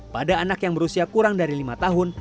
pada anak yang berusia kurang dari lima tahun